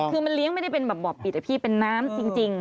คือมันเลี้ยงไม่ได้เป็นแบบบ่อปิดอะพี่เป็นน้ำจริง